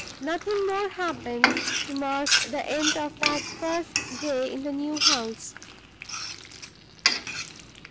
Nothing more happened to mark the end of that first day in the new house.